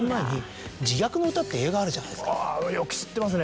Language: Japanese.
あぁよく知ってますね。